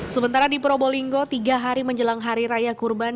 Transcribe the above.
sementara di probolinggo tiga hari menjelang hari raya kurban